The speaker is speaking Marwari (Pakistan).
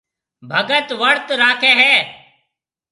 ڀگت ورت راکيَ هيَ۔